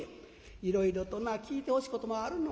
「いろいろとな聞いてほしいこともあるの。